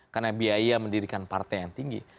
karena biaya mendirikan partai yang tinggi